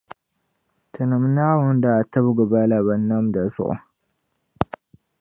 Tinim’ Naawuni daa tibgi bala binnamda zuɣu.